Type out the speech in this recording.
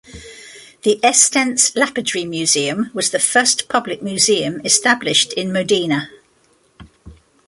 The Estense Lapidary Museum was the first public museum established in Modena.